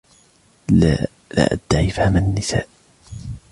لا أدعي فهم النساء.